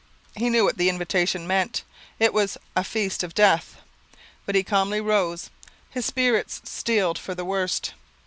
He knew what the invitation meant; it was a feast of death; but he calmly rose, his spirit steeled for the worst.